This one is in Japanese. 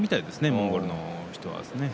モンゴルの人はね。